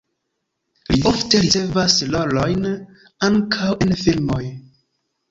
Li ofte ricevas rolojn ankaŭ en filmoj.